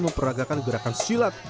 memperagakan gerakan silat